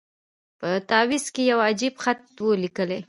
په تعویذ کي یو عجب خط وو لیکلی